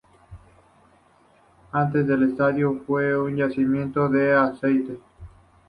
Antes del estadio, fue un yacimiento de aceite.